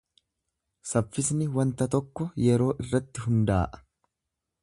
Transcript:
Saffisni wanta tokko yeroo irratti hundaa’a.